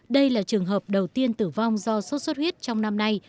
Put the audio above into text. đây là trường hợp đầu tiên tử vong do sốt xuất huyết trong năm nay